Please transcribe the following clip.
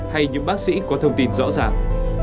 hay những bác sĩ có thông tin rõ ràng